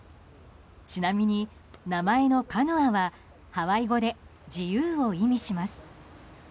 ちなみに、名前のカノアはハワイ語で自由を意味します。